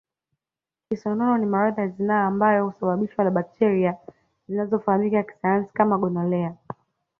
Kisonono ni maradhi ya zinaa ambayo husababishwa na bakteria zinazofahamika kisayansi kama gonolea